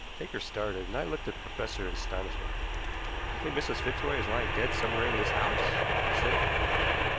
Baker started, and I looked at the professor in astonishment. "You think Mrs. Fitzroy is lying dead somewhere in this house?" I said.